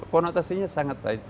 konotasinya sangat lain